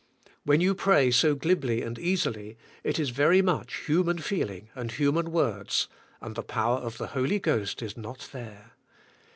When you pray so glibly and easily it is very much human feeling and human words, and the power of the Holy Ghost is not there.